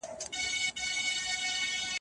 هغه کسان چې نشه کوي ناروغان دي.